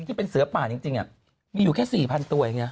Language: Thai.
ที่เป็นเสือป่าจริงมีอยู่แค่๔๐๐ตัวอย่างนี้